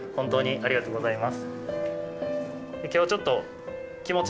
ありがとうございます。